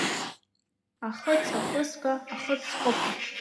Ахыц ахысга ахыц скобка…